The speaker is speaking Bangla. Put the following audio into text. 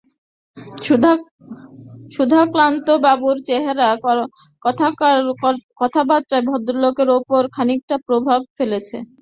সুধাকান্তবাবুর চেহারা, কথাবার্তাও ভদ্রলোকের ওপর খানিকটা প্রভাব ফেলেছে।